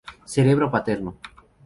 Cerebro paterno.